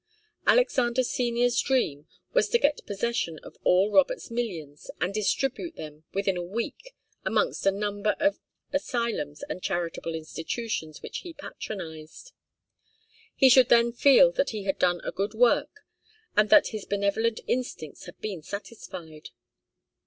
Alexander Senior's dream was to get possession of all Robert's millions and distribute them within a week amongst a number of asylums and charitable institutions which he patronized. He should then feel that he had done a good work and that his benevolent instincts had been satisfied.